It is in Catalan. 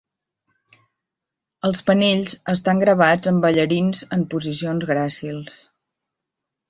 Els panells estan gravats amb ballarins en posicions gràcils.